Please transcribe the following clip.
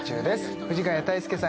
藤ヶ谷太輔さん